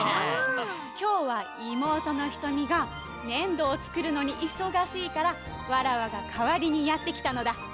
きょうはいもうとのひとみがねんどをつくるのにいそがしいからわらわがかわりにやってきたのだ。